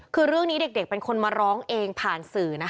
คือเรื่องนี้เด็กเป็นคนมาร้องเองผ่านสื่อนะคะ